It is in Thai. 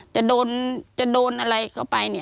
จะโดนอะไรเข้าไป